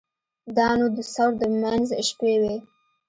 دا نو د ثور د منځ شپې وې.